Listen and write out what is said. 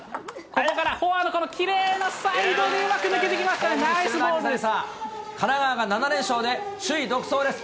これからフォアできれいなサイドにうまく抜けていきました、神奈川が７連勝で、首位独走です。